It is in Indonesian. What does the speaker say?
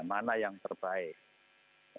mana yang terbaik